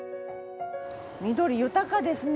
緑豊かですね。